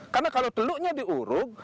karena kalau teluknya diuruk